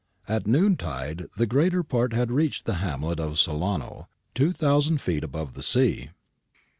At noontide the greater part had reached the hamlet of Solano, 2000 feet above the sea.